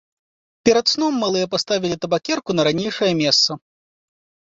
Перад сном малыя паставілі табакерку на ранейшае месца.